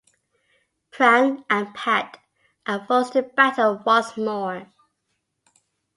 Pran and Pat are forced to battle once more.